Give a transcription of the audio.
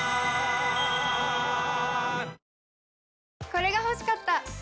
これが欲しかった！